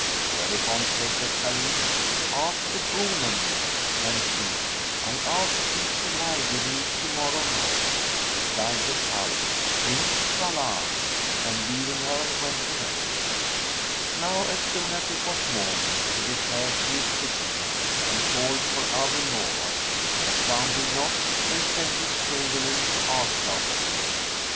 Whereupon said the Caliph, "Ask a boon of me," and she, "I ask thee to lie with me to morrow night." Replied the Caliph, "Inshallah!" and leaving her, went away. Now as soon as it was morning, he repaired to his sitting room and called for Abu Nowas, but found him not and sent his chamberlain to ask after him.